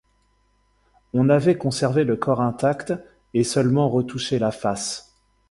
On avait conservé le corps intact et seulement retouché la face.